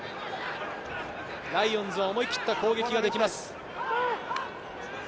ライオンズは思い切った攻撃ができます。